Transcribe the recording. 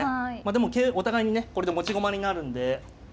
でも桂お互いにねこれで持ち駒になるんで。